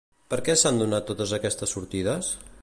Per què s'han donat totes aquestes sortides?